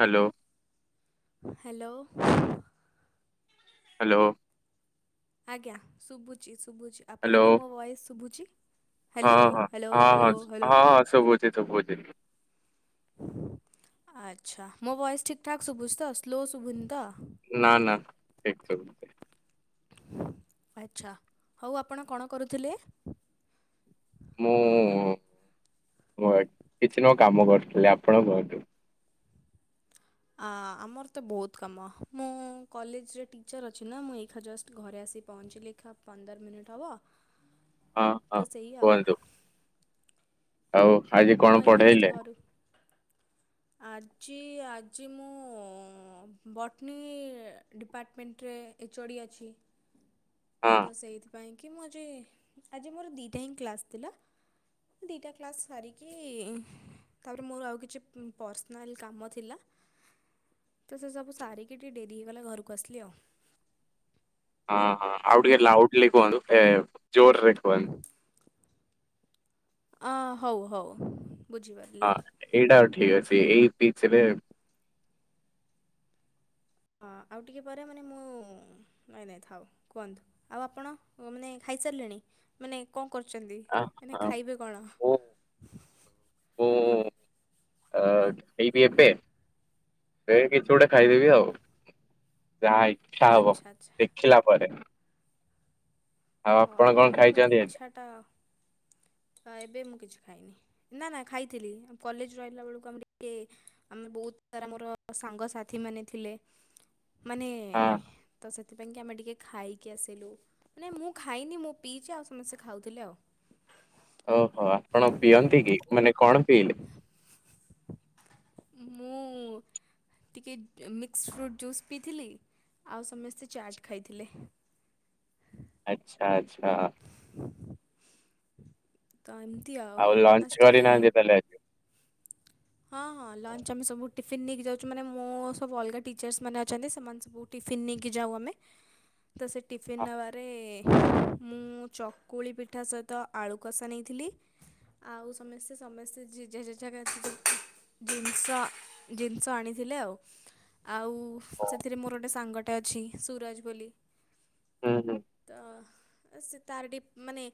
Hello hello hello ଆଜ୍ଞା ଶୁଭୁଛି ଶୁଭୁଛି ହ୍ୟାଲୋ ଆପଣଙ୍କୁ ମୋ ଭଏସ୍ ଶୁଭୁଛି। ହଁ ହ୍ୟାଲୋ ହଁ ହ୍ୟାଲୋ ହଁ ହ୍ୟାଲୋ ହଁ ହ୍ୟାଲୋ ହଁ ହଁ ଶୁବୁଛି ଶୁ। ଆଚ୍ଛା ମୋ ଭୋଏସ ଠିକ ଠାକ ସୁଭୁଝି ତ ସ୍ଲୋ ସୁୁଭୁନି ତ ନା ନା ଏକ ଆଚ୍ଛା ହଉ ଆପଣ କଣ କରୁଥିଲେ? ମୁଁ କିଛି ନୂଆ କାମ କରୁଥିଲି ଆପଣଙ୍କ ଘରଠୁ ଆ ଆମର ତ ବହୁତ କାମ ମୁଁ ମୁଁ କଲେଜରେ ଟିଚର୍ ଅଛି ନା ମୁଁ ଏଇା ଜଷ୍ଟ ଘରେ ଆସିି ପହଞ୍ଚିଲିଖା ପନ୍ଦର ମିନିଟ୍ ହେବ। ହଁ ହଁ ତ ସେଇ ଆଉ। କୁହନ୍ତୁ ଆଉ ଆଜି ତ ମୁଁ କଣ ଏଇଖା ଜଷ୍ଟ ପଢେଇଲେ? ଘରୁ ଆଜି ଆଜି ମୁଁ ବଟନୀ ଡିପାର୍ଟମେଣ୍ଟରେ। ଏଚୋଡ଼ି ଅଛି। ହଁ ତ ସେଇଥିପାଇଁ କି ମୁଁ ଯେ ଆଜି ମୋର ଦୁଇଟା ହିଁ କ୍ଲାସ୍ ଥିଲା। ଦୁଇଟା କ୍ଲାସ୍ ସାରିକି ତାପରେ ମୋର ଆଉ କିଛି ପର୍ସନାଲ କାମ ଥିଲା। ତ ସେସବୁ ସାରିକି ଟିକେ ଡେରିଗଲା ଘରକୁ ଆସିଲି ଆଉ। ହଁ ହଁ ଆଉ ଟିକେ ଲାଉଡଲି କୁହନ୍ତୁ ଜୋର ରେ କୁହନ୍ତୁ। ଅ ହଉ ହଉ ବୁଝିପାରିଲ। ହଁ ଏଇଟା ଆଉ ଠିକ ଅଛି ଏଇ ପିଚ ରେ ହଁ ଆଉ ଟିକିଏ ପରେ ମାନେ ମୁଁ ନାଇଁ ନାଇଁ ଥାଉ କୁହନ୍ତୁ ଆଉ ଆପଣ ମାନେ ଖାଇସାରିଲେଣି? ମାନେ କଣ କରୁଛନ୍ତି, ଆ ମାନେ ହଁ ଖାଇବେ କଣ? ମୁ ଅ ଖାଇବି ଏବେ। ଏ କିଛି ଗୋଟେ ଖାଇଦେବି ଆଉ ଯାହା ଇଚ୍ଛା ହବ ଆଚ୍ଛା ଆଚ୍ଛା ଦେଖିଲା ପରେ। ଆଉ ଓ ଆପଣ କଣ ଆପଣଙ୍କର ଖାଇଛନ୍ତି ଆଜି? ତ ଇଚ୍ଛାଟା ଏବେ ମୁଁ କିଛି ଖାଇନି। ନା ନା ଖାଇଥିଲି କଲେଜ ରୁ ଆଇଲା ବେଳକୁ ଆମର ଟିକେ ଆମେ ବହୁତ ସାରା ମୋର ମୋ ସାଙ୍ଗସାଥି ମାନେ ଥିଲେ। ମାନେ ହଁ ତ ସେଥିପାଇଁ କି ଆମେ ଟିକେ ଖାଇକି ଆସିଲୁ ମାନେ ମୁଁ ଖାଇନି ମୁଁ ପିଇଛି ଆଉ ସମସ୍ତେ ଖାଉଥିଲେ ଆଉ। ଓହୋ ଆପଣ ପିଅନ୍ତି କି, ମାନେ କଣ ପିଇଲେ? ମୁଁ ଟିକିଏ ମିକ୍ସ ଫ୍ରୁଟ୍ ଜୁସ୍ ପିଇଥିଲି। ଆଉ ସମସ୍ତେ ଚାଟ ଖାଇଥିଲେ। ଆଚ୍ଛା ଆଚ୍ଛା। ତ ଏମତି ଆଉ ଲଞ୍ଚ ଆସ ଟିକେ କରିନାହାନ୍ତି ତାହେଲେ ଆଜି? ହଁ ହଁ ଲଞ୍ଚ ଆମେ ସବୁ ଟିଫିନ୍ ନେଇକି ଯାଉଛୁ ମାନେ ମୁଁ ସବୁ ଅଲଗା ଟିଚର୍ ମାନେ ଅଛନ୍ତି ସେମାନେ ସବୁ ଟିଫନ୍ ନେଇକି ଯାଉ ଆମେ ତ ସେ ଟିଫନ୍ ନବାରେ ମୁଁ ଚକୁଳି ପିଠା ସହିତ ଆଳୁ କଷା ନେଇଥିଲି। ଆଉ ସମସ୍ତେ ସମସ୍ତେ ଜେଝା ଜେଜାକ ଜିନିଷ ଜିନିଷ ଆଣିଥିଲେ ଆଉ। ଆଉ ସେଥିରେ ମୋର ଗୋଟିଏ ସାଙ୍ଗଟା ଅଛି ସୁରଜ ବୋଲି। ହୁଁ ହୁଁ ତ ସେ ତାର ଡି ମାନେ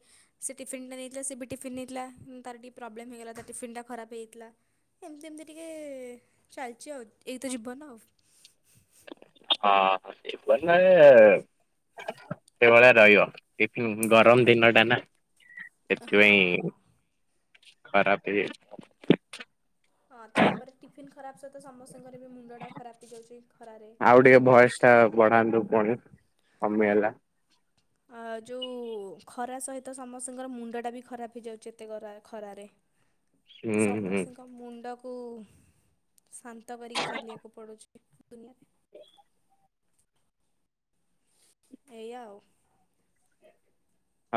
ସେ ଟିଫନ୍ଟା ନେଇଥିଲା ସେ ବି ଟିଫିନ୍ ନେଇଥିଲା ତାର ଟିକେ ପ୍ରୋବ୍ଲେମ୍ ହେଇଗଲା ତା ଟିଫିନ୍ଟା ଖରାପ ହେଇଥିଲା। ଏମିତି ଏମିତି ଟିକେ ଚାଲିଛି ଆଉ ଏଇ ତ ଜିବନ ଆଉ। ହଁପ ନାରେ ସେଭଳିଆ ରହିବ। ଏମ୍ ଗରମ ଦିନ ଟା ନା ହଁ। ସେଥିପାଇଁ ଖରାପେ [unintelligible] ହଁ ତାପରେ ଟିଫିିନ ଖରାପ ସହିତ ସମସ୍ତଙ୍କର ବି ମୁଣ୍ଡଟା ଖରାପ ହେଇଯାଉଛି ଖରାରେ ଆଉ ଟିକେ ଗରମରେ। ଭଏସ ବଢାନ୍ତୁ ପୁଣି କମିଗଲା। ଆ ଯୋଉ ଖରା ସହିତ ସମସ୍ତଙ୍କର ମୁଣ୍ଡଟା ବି ଖରାପ ହେଇଯାଉଛି ଏତେଗରା ଖରାରେ। [inaudible] ତ ହୁଁ ହୁଁ ସମସ୍ତଙ୍କ ମୁଣ୍ଡକୁ ଶାନ୍ତ କରିକି ଚାଲିବାକୁ ପଡୁଛି। ଏ ଦୁନିଆରେ। [inaudible] ଏଇଆ ଆଉ।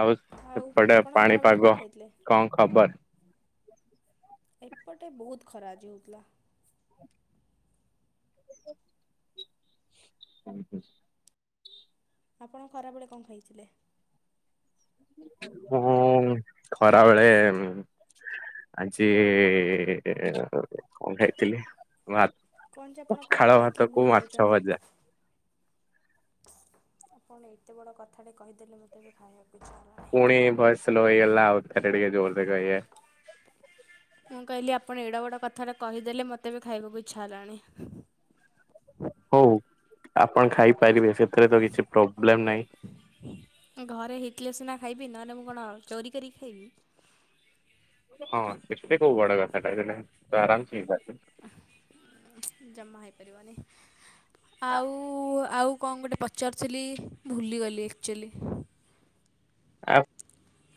ଆଉ ଆଉ ସେପଟେ ଆପଣ ଖରାବେଳେ କଣ ପାଣିପାଗ ଖାଇଥିଲେ? କଣ ଖବର? ଏପଟେ ବହୁତ ଖରାଆଜି ହଉଥିଲା। [unintelligible] ଆପଣ ଖରାବେଳେ କଁ ଖାଇଥିଲେ? ମୁଁ ଖରାବେଳେ ଆଜି କଣ ଖାଇଥିଲି? ଭା କଣ ଯେ ଆପଣ କଣ ପଖାଳ ଖାଇଥିଲେ ଭୁଲି ଭାତକୁ ଯାଉଛନ୍ତି। ମାଛଭଜା। ଆପଣ ଏତେ ବଡ଼ କଥାଟେ କହିଦେଲେ, ମୋତେ ଏବେ ଖାଇଆକୁ ଇଚ୍ଛା ହେଲା। ପୁଣି ଭଏସ୍ ସ୍ଲୋ ହେଇଗଲା, ଆଉଥରେ ଟିକେ ଜୋରରେ କହିବେ। ମୁଁ କହିଲି ଆପଣ ଏଡେବଡ଼ କଥାଟା କହିଦେଲେ, ମୋତେ ଏବେ ଖାଇବାକୁ ଇଚ୍ଛା ହେଲାଣି। ହଉ ଆପଣ ଖାଇପାରିବେ, ସେଥିରେ ତ କିଛି ପ୍ରୋବ୍ଲେମ୍ ନାହିଁ। ଘରେ ହେଇଥିଲି ସିନା ଖାଇବି, ନହେଲେ ମୁଁ କଣ ଚୋରି କରିକି ଖାଇବି। ହଁ ସେତେ କୋଉ ବଡ କଥାଟା ତ ଆରାମ ସେ ହେଇପାରିବ ଜମା ହେଇପାରିବନି ଆଉ ଆଉ କଣ ଗୋଟେ ପ ପଚାରୁଥିଲି ଭୁଲିଗଲି ଆକ୍ଚୁଆଲି ଆପ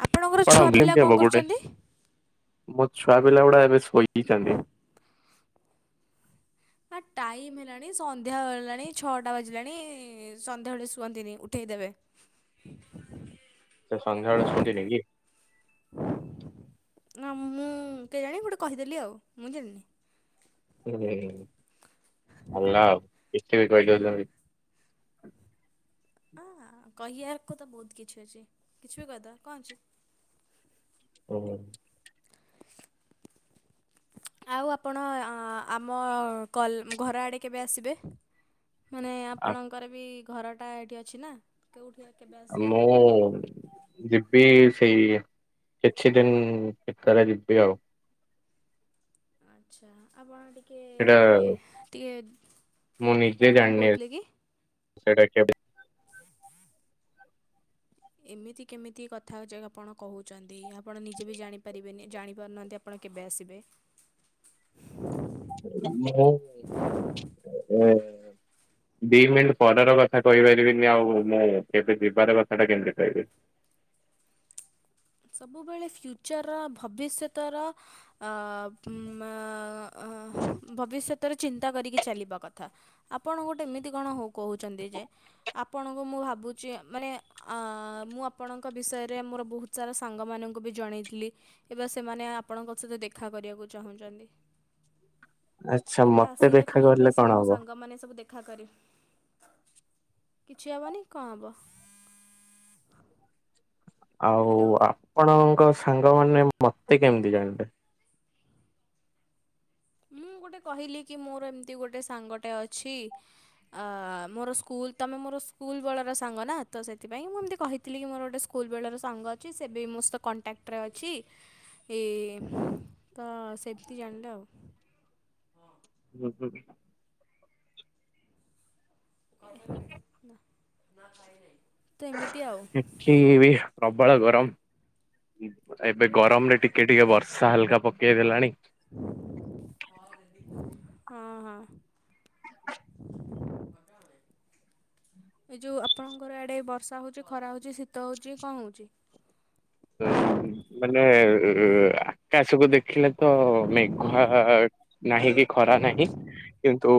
ଆପଣଙ୍କର [unintelligible] ଆପଣ ଛୁଆ ପିଲା କେମିତି କଣ ହବ ଗୁଡେ କରୁଛନ୍ତି? ମୋ ଛୁଆପିଲା ଗୁଡା ଏବେ ଶୋଇବିଚନ୍ତି। ନା ଟାଇମ୍ ହେଲାଣି, ସନ୍ଧ୍ୟା ହେଲାଣି, ଛଅଟା ବାଜିଲାଣି ସନ୍ଧ୍ୟାବେଳେ ଶୁଅନ୍ତିନି ଉଠେଇଦେବେ [unintelligible] ସେ ସନ୍ଧ୍ୟାବେଳେ ଶୁଅନ୍ତିନି କି? [unintelligible] ନା ମୁଁ କେଜାଣି ଗୋଟେ କହିଦେଲି ଆଉ ମୁଁ ଜାଣିନି [unintelligible] ଭଲ ଆଉ କିଛିବି କହିଦଉଚନ୍ତି ହଁ କହିବାକୁ ତ ବହୁତ କିଛି ଅଛି କିଛି ବି କହିଦବା କଣ ଅଛି। [unintelligible] ଆଉ ଆପଣ ଆମ କଲ୍ ଘର ଆଡ଼େ କେବେ ଆସିବେ? ମାନେ ଆ ଆପଣଙ୍କର ବି ଘରଟା ଏଇଠି ଅଛି ନା କେଉଠି ଆ କେବେ ଆ ଆସିବେ? ମୁଁ [unintelligible] ଯିବି ସେଇ କିଛି ଦିନି ଭିତରେ ଯିବି ଆଉ ଆଚ୍ଛା, ଆପଣ ଟି କେ ସେଇଟା ଟିକେ ମୁଁ ନିଜେ କଣ ଜାଣିନି କହୁଥିଲେ କି? ସେଇଟା କେବେ ଏମିତି କେମିତି କଥା ଅଯା ଆପଣ କହୁଚନ୍ତି ଆପଣ ନିଜେ ବି ଜାଣିପାରିବେନି ଜାଣିପାରୁନାହାନ୍ତି ଆ ଆପଣ କେବେ ଆସିବେ? ମୁଁ [unintelligible] ଦି ମିନିଟ୍ ପରର କଥା କହିପାରିବିନି ଆଉ ମୁଁ କେବେ ଯିବାର କଥାଟା କେମିତି କହିବି। ସବୁବେଳେ ଫ୍ୟୁଚରର ଭବିଷ୍ୟତର ଆମ ଆ ଆମ ଭବିଷ୍ୟତ ତର ଚିନ୍ତା କରିକି ଚାଲିବା କଥା ଆପଣ ଗୋଟେ ଏମିତି କଣ ହ କହୁଛନ୍ତି ଯେ ଆପଣଙ୍କୁ ମୁଁ ଭାବୁଛି ମାନେ ଆ ମୁଁ ଆପଣଙ୍କ ବିଷୟରେ ମୋର ବହୁତ ସାରା ସାଙ୍ଗମାନଙ୍କୁ ବି ଜଣେଇଥିଲି ଏବେ ସେମାନେ ଆପଣଙ୍କ ସହିତ ଦେଖା କରିବାକୁ ଚାହୁଁଚନ୍ତି। [unintelligible] ଆଚ୍ଛା କେବେ ମତେ ଆସିଲେ ଦେଖା କହିବେ କଲେ କଣ ମୋ ହବ ସାଙ୍ଗମାନେ ସବୁ ଦେଖ ଦେଖା କରି [unintelligible] କିଛି ହେବନି କଣ ହବ ଆଉ ହ୍ୟାଲୋ ଆପଣଙ୍କ ସାଙ୍ଗମାନେ ମତେ କେମିତି ଜାଣିଲେ? ମୁଁ ଗୋଟେ କହିଲି କି ମୋର ଏମିତି ଗୋଟେ ସାଙ୍ଗଟେ ଅଛି। ଆ ମୋର ସ୍କୁଲ ତମେ ମୋର ସ୍କୁଲ ବେଳର ସାଙ୍ଗ ନା ତ ସେଥିପାଇଁ ମୁଁ ଏମତି କହି ଥିଲିକି କିି ମୋର ଗୋଟଏ ସ୍କୁଲ ବେଳର ସାଙ୍ଗ ଅଛି ସେ ବି ମୋ ସହିତ କଣ୍ଟାକ୍ଟରେ ଅଛି। ଏଇ ତ ସେମତି ଜାଣିଲେ ଆଉ ହଁ [unintelligible] ତ ଏମିତି ଆଉ। ଏଠି ବି ପ୍ରବଳ ଗରମ। ଏବେ ଗରମ ରେ ଟିକେ ଟିକେ ବର୍ଷା ହାଲକା ପକେଇ ଦେଲାଣି। ହଁ ହଁ। ପଦେ ଏ ଯଉ ଆପଣଙ୍କର ଆଡ଼େ ବର୍ଷା ହଉଚି ଖରା ହଉଚି ଶୀତ ହଉଚି କଣ ହଉଚି। ଉ ମାନେ ଆକାଶକୁ ଦେଖିଲେ ତ ମେଘୁଆ। ନାହିଁ କି ଖରା ନାହିଁ କିନ୍ତୁ।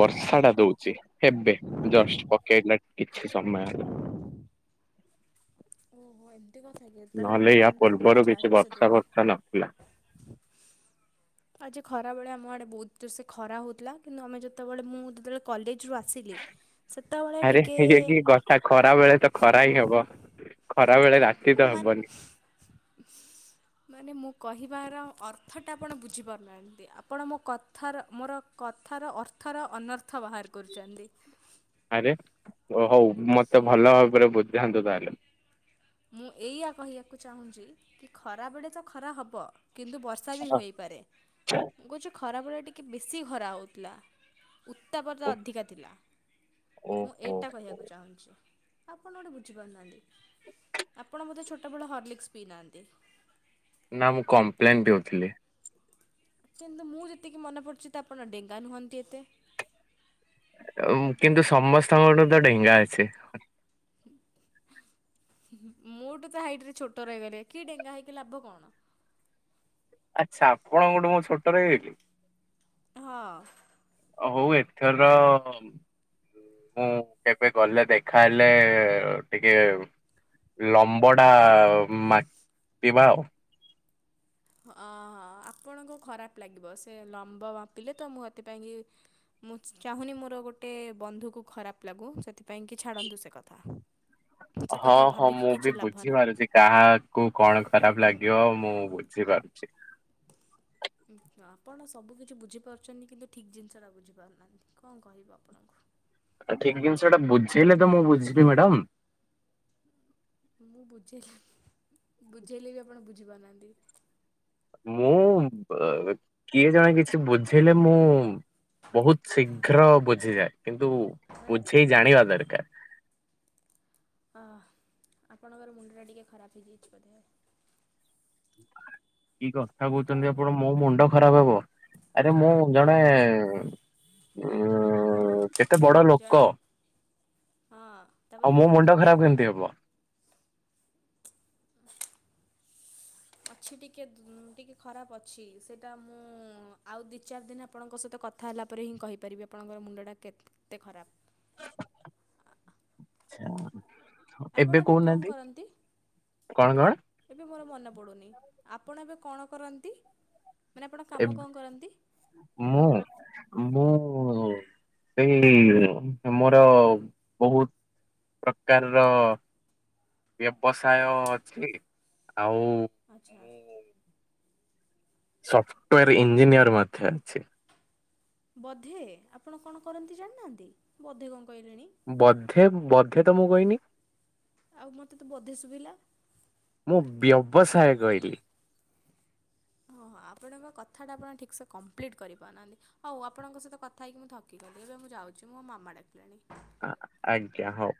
ବର୍ଷା ଟା ଦଉଚି ହେବେ ଜଷ୍ଟ ପକେଇଲା କିଛି ସମୟ ହେଲା। ଓହୋ ଏମିତି କଥା କି ତାହେଲେ ମୁଁ ନହେଲେ ଫୋନ୍ ଟା ଭାବୁଚି ଚାର୍ଜ ବସେଇଦେବି। ହେଲା। [inaudible] ଆଜି ଖରାବେଳେ ଆମ ଆଡ଼େ ବହୁତ ଜୋର ସେ ଖରା ହେଉଥିଲା କିନ୍ତୁ ଆମେ ଯେତେବେଳେ ମୁଁ ଯେତେବେଳେ କଲେଜରୁ ଆ ସିଲି ସେତେବେଳେ ଟିକେ ଆ ଖରା ବେଳେ ତ ଖରା ହିଁ ହବ ଖରା ବେଳେ ରାତି ତ ହବନି। ମାନେ ମାନେ ମୁଁ କହିବାର ଅର୍ଥ ଟା ଆପଣ ବୁଝିପାରୁନାହାନ୍ତି। ଏମତି ଆପଣ ମୋ କଥାର ମୋର କଥାର ଅର୍ଥର ଅନର୍ଥ ବାହାର କରୁଚନ୍ତି। ଆରେ ଓ ହଉ ମୋତେ ଭଲ ଭାବରେ ବୁଝାନ୍ତୁ ତାହେଲେ। ମୁଁ ଏଇଆ କହିବାକୁ ଚାହୁଁଛି କି ଖରାବେଳେ ତ ଖରା ହବ କିନ୍ତୁ ବ ର୍ଷା ବି ହୋଇପାରେ ମୁଁ କହୁଚି ଖରା ବେଳେ ଟିକେ ବେଶୀ ଖରା ହଉଥିଲା। ଓ ଉତ୍ତାପରତା ଅଧିକା ଥିଲା ମୁଁ ଓହୋ ଏଇଟା ହୋ। କହିବାକୁ ଚାହୁଁଛି। ଆପଣ ଗୋଟେ ବୁଝିପାରୁନାହାନ୍ତି। ଆପଣ ବୋଧେ ଛୋଟବେଳ ହର୍ଲିକ୍ସ ପିଇନାହାନ୍ତି। ନା ମୁଁ କଂପ୍ଲାନ ପିଉ ଥିଲି। କିନ୍ତୁ ମୁଁ ଯେତିକି ମନେ ପଡୁଛି ତ ଆପଣ ଡେଙ୍ଗା ନୁହଁନ୍ତି ଏତେ। କିନ୍ତୁ ସମସ୍ତଙ୍କଠୁ ତ ଡେଙ୍ଗା ଅଛି। ମୁଁ ଠୁ ତ ହାଇଟ ରେ ଛୋଟ ରହିଗଲେ କି ଡେଙ୍ଗା ହେଇକି ଲାଭ କଣ। ଆଚ୍ଛା ଆପଣଙ୍କ ଠୁ ମୁଁ ଛୋଟ ରହିଗଲି। ହଁ। ଅ ହଉ ଏଥରମ୍। ମୁଁ କେବେ ଗଲେ ଦେଖା ହେଲେ ଟିକେ। ଲମ୍ବଟା ମା ପିବା ଆଉ। ଅଁ ହଁ ଆପଣଙ୍କୁ ଖରାପ ଲାଗିବ ସେ ଲମ୍ବ ମାପିଲେ ତ ମୁଁ ଏଥିପାଇଁକି। ମୁଁ ଚାହୁଁନି ମୋର ଗୋଟେ ବନ୍ଧୁକୁ ଖରାପ ଲାଗୁ ସେଥିପାଇଁକି ଛାଡ଼ନ୍ତୁ ସେ କଥା। [inaudible] ହଁ କଥା ହଁ ଭାବିକି ମୁଁ କିଛି ବି ଲାଭ ନାହିଁ। ବୁଝିପାରୁଚି କାହା କୁ କଣ ଖରାପ ଲାଗିବ ମୁଁ ବୁଝିପାରୁଛି। ଆପଣ ସବୁ କିଛି ବୁଝିପାରୁଛନ୍ତି କିନ୍ତୁ ଠିକ୍ ଜିନିଷଟା ବୁଝିପାରୁନାହାନ୍ତି କଣ କହିବ ଆପଣଙ୍କୁ। ତ ଠିକ ଜିନିଷଟା ବୁଝେଇଲେ ତ ମୁଁ ବୁଝିବି ମ୍ୟାଡାମ। ମୁଁ ବୁଝେଇ ବୁଝେଇଲେ ବି ଆପଣ ବୁଝିପାରୁନାହାନ୍ତି। ହଁ ମୁଁ କିଏ ଜଣେ କିଛି ବୁଝେଇଲେ ମୁଁ ବହୁତ ଶୀଘ୍ର ବୁଝିଯାଏ କିନ୍ତୁ ମାନେ ବୁଝେଇ ଜାଣିବା ଦରକାର। ହଁ ଆପଣଙ୍କର ମୁଣ୍ଡଟା ଟିକେ ଖରାପ ହେଇଯାଇଛି ବୋଧେ। କି କହ କଥା କହୁଛନ୍ତି ଆପଣ ଆପଣଙ୍କୁ ମୋ ମୁଣ୍ଡ ଖରାପ ହବ ଆରେ ମୁଁ ଆଉ ଜଣେ କଣ ଉଁ କେତେ ବଡ ଜଣେ ଲୋକ ହଁ। ଆଉ ତାପରେ ମୋ ମୁଣ୍ଡ ଖରାପ୍ କେମିତି ହବ? [unintelligible] ଅଛି ଟିକେ ଟିକେ ଖରାପ୍ ଅଛି ସେଇଟା ମୁଁ ଆଉ ଦି ଚାରି ଦିନ୍ ଆପଣଙ୍କ ସହିତ କ କଥା ହେଲା ପରେ ହିଁ କହିପାରିବି ଆପଣଙ୍କର ମୁଣ୍ଡଟା କେତେ ଖରାପ୍। [unintelligible] ଆପଣ ଏବେ କଣ କହୁନାହାନ୍ତି କରନ୍ତି କଣ କଣ୍? ଏବେ ମୋର ମନେ ପଡୁନି ଆପଣ ଏବେ କଣ କରନ୍ତି? ମାନେ ଆପଣ କାମ ଏ କଣ କରନ୍ତି ମୁଁ ମୁଁ ହଁ ସେଇ ମୋର ବହୁ ପ୍ରକାର୍ ର ବ୍ୟବସାୟ ଅଛି ଆଉ ଆଚ୍ଛା। ସଫ୍ଟୱୋରେ ଇଞ୍ଜିନିୟର୍ ମଧ୍ୟ ଅଛି। ବୋଧେ ଆପଣ କଣ କରନ୍ତି ଜାଣିନାହାନ୍ତି ବୋଧେ କଣ କହିଲେଣି। ବଧେ ବଧେ ତ ମୁଁ କହିନି। ଆଉ ମତେ ତ ବଧେ ଶୁଭିଲା। ମୁଁ ବ୍ୟବସାୟ କହିଲି। ହଁ ହଁ ଆପଣଙ୍କ କଥାଟା ଆପଣ ଠିକ୍ ସେ କମ୍ପ୍ଲିଟ୍ କରିପାରୁନାହାନ୍ତି। ହଉ ଆପଣଙ୍କ ସହିତ କଥା ହେଇକି ମୁଁ ଥକି ଗଲି ଏବେ ମୁଁ ଯାଉଛି ମୋ ମାମା ଡାକିଲାଣି। ଆଁ ଆଜ୍ଞା ହଉ।